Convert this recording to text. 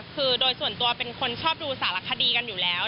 คือโดยส่วนตัวเป็นคนชอบดูสารคดีกันอยู่แล้ว